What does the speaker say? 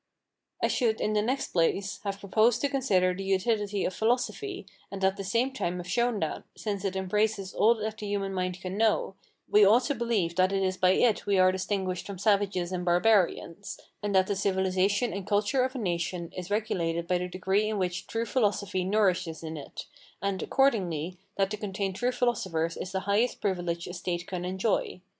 I should, in the next place, have proposed to consider the utility of philosophy, and at the same time have shown that, since it embraces all that the human mind can know, we ought to believe that it is by it we are distinguished from savages and barbarians, and that the civilisation and culture of a nation is regulated by the degree in which true philosophy nourishes in it, and, accordingly, that to contain true philosophers is the highest privilege a state can enjoy.